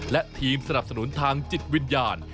และทีมสนับสนุนทางจิตวิญญาณ